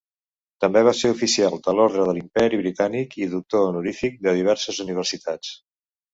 També va ser Oficial de l'Ordre de l'Imperi Britànic i doctor honorífic de diverses universitats.